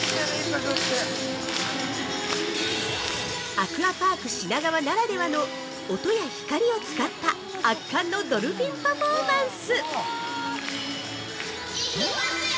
アクアパーク品川ならではの音や光を使った圧巻のドルフィンパフォーマンス。